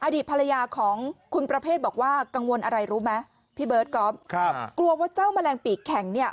อดีตภรรยาของคุณประเภทบอกว่ากังวลอะไรรู้ไหมพี่เบิร์ตก๊อฟครับกลัวว่าเจ้าแมลงปีกแข็งเนี่ย